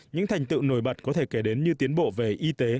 những thành tựu nổi bật có thể kể đến như tiến bộ về y tế